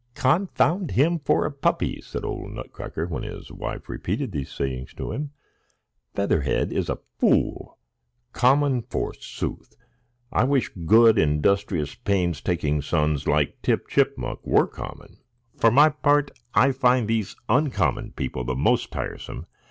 "Confound him for a puppy!" said old Nutcracker, when his wife repeated these sayings to him. "Featherhead is a fool. Common, forsooth! I wish good, industrious, painstaking sons like Tip Chipmunk were common. For my part, I find these uncommon people the most tiresome.